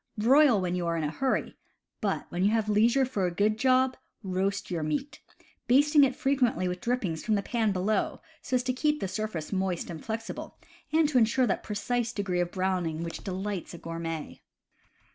Broil when you are in a hurry; but, when you have leisure for a good job, roast your meat, basting it frequently with drippings from the pan below, so as to keep the surface moist and flexible, and insure that precise degree of browning which delights a gourmet.